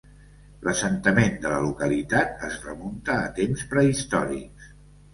L'assentament de la localitat es remunta a temps prehistòrics.